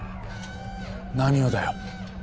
何をだよ。